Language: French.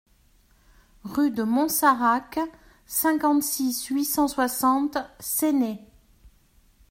Rue de Montsarrac, cinquante-six, huit cent soixante Séné